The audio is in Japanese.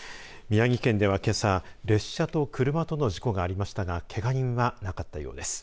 宮城県では、けさ列車と車との事故がありましたがけが人はなかったようです。